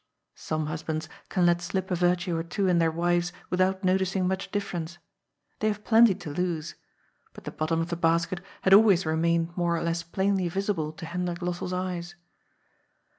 Some husbands can let slip a virtue or two in their wives without noticing much difference. They have plenty to lose. But the bottom of the basket had always remained more or less plainly visible to Hendrik Lossell's eyes.